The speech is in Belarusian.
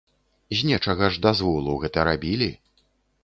З нечага ж дазволу гэта рабілі!